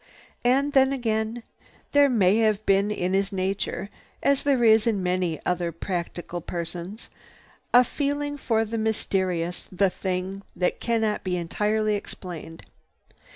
And then again there may have been in his nature, as there is in many another practical person's, a feeling for the mysterious, the thing that cannot be entirely explained.